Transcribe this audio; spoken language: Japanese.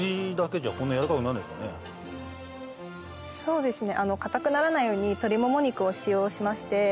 そうですね。